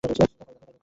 Call back করবো।